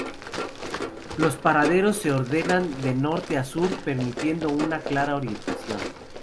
Los paraderos se ordenan de norte a sur permitiendo una clara orientación.